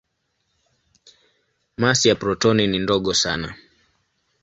Masi ya protoni ni ndogo sana.